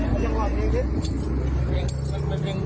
ไหนไหนลุงลุงเล่นไหนอ่ะ